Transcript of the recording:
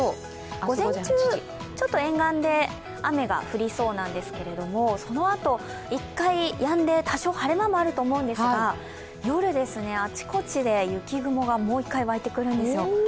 午前中、沿岸で雨が降りそうなんですけれどもそのあと、１回やんで多少晴れ間もあると思うんですが夜、あちこちで雪雲がもう一回湧いてくるんですよ。